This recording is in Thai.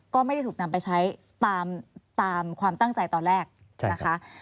ก็ไม่ได้ถูกนำไปใช้ตามความตั้งใจตอนแรกนะคะ